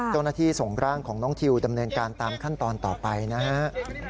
เจ้าหน้าที่ส่งร่างของน้องทิวดำเนินการตามขั้นตอนต่อไปนะฮะ